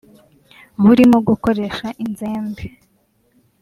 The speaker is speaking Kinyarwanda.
burimo gukoresha inzembe